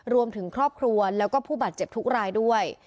รวมถึงครอบครัวแล้วก็ผู้บาดเจ็บทุกรายด้วย